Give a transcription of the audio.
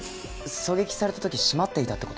狙撃された時閉まっていたって事？